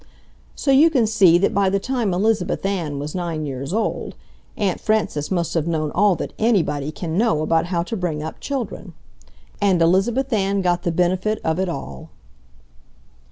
So you can see that by the time Elizabeth Ann was nine years old Aunt Frances must have known all that anybody can know about how to bring up children. And Elizabeth Ann got the benefit of it all.